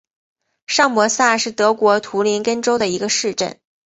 上伯萨是德国图林根州的一个市镇。